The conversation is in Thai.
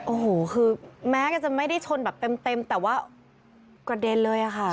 โอ้โหคือแม้ก็จะไม่ได้ชนแบบเต็มแต่ว่ากระเด็นเลยค่ะ